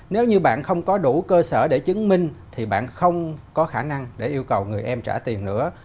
nếu như bạn không có đủ cơ sở để chứng minh thì bạn không có khả năng để yêu cầu người em trả tiền nữa